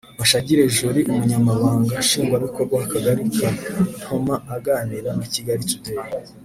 Bashagire Jolly Umunyamabanga Nshingwabikorwa w’Akagari ka Ntoma aganira na Kigali Today